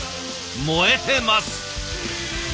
燃えてます。